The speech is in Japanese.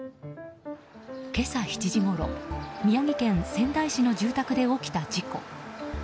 今朝７時ごろ宮城県仙台市の住宅で起きた事故。